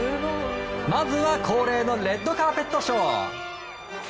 まずは恒例のレッドカーペットショー。